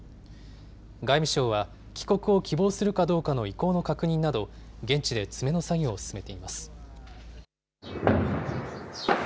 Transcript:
外務省は、帰国を希望するかどうかの意向の確認など、現地で詰めの作業を進めています。